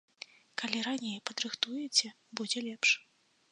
Калі раней падрыхтуеце, будзе лепш.